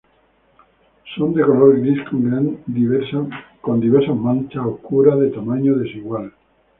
Son de color gris con diversas manchas oscuras de tamaño desigual.